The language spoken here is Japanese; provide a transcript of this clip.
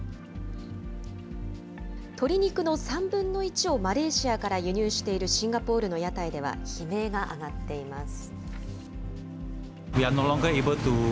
鶏肉の３分の１をマレーシアから輸入しているシンガポールの屋台では、悲鳴が上がっています。